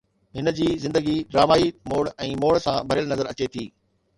هن جي زندگي ڊرامائي موڙ ۽ موڙ سان ڀريل نظر اچي ٿي.